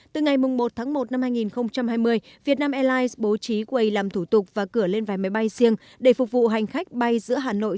từ ngày một một hai nghìn hai mươi vietnam airlines bố trí quay làm thủ tục và cửa lên vài máy bay riêng để phục vụ hành khách bay giữa hà nội